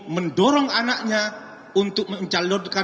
mendorong anaknya untuk mencalonkan diri sebagai pahlawan